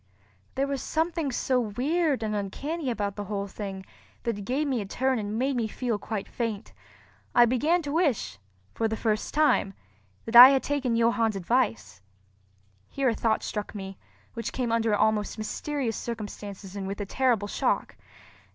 There was something so weird and uncanny about the whole thing that it gave me a turn and made me feel quite faint. I began to wish, for the first time, that I had taken Johann's advice. Here a thought struck me, which came under almost mysterious circumstances and with a terrible shock.